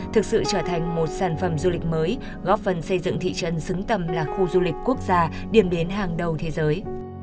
thực sự trở thành một sản phẩm du lịch mới góp phần xây dựng thị trấn xứng tầm là khu du lịch quốc gia điểm đến hàng đầu thế giới